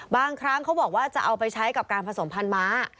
บางครั้งเขาบอกว่าจะเอาไปใช้กับการผสมพันธ์ม้า